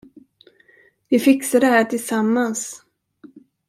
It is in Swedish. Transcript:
Vi fixar det här, tillsammans!